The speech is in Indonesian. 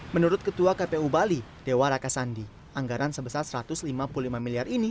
menurut ketua kpu bali dewa rakasandi anggaran sebesar satu ratus lima puluh lima miliar ini